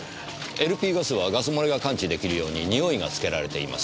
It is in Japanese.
ＬＰガスはガス漏れが感知できるようににおいが付けられています。